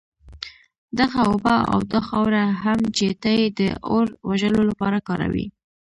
دغه اوبه او دا خاوره هم چي ته ئې د اور وژلو لپاره كاروې